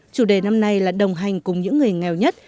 chủ đề năm nay là đồng hành cùng những người nghèo nhất